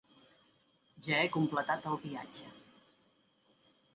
Ja he completat el viatge.